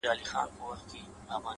څڼي سرې شونډي تكي تـوري سترگي ـ